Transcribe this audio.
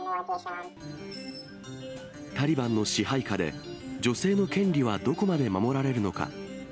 タリバンの支配下で、女性の権利はどこまで守られるのか。